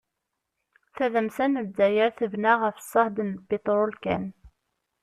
Tadamsa n Lezzayer tebna ɣef ṣṣehd n piṭrul kan.